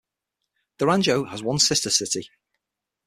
Durango has one sister city.